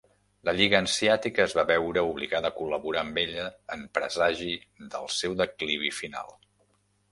La Lliga Hanseàtica es va veure obligada a col·laborar amb ella en presagi del seu declivi final.